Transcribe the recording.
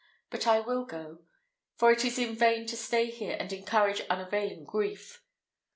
But I will go; for it is in vain to stay here and encourage unavailing grief."